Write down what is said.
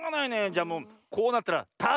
じゃもうこうなったらた